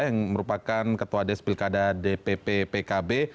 yang merupakan ketua des pilkada dpp pkb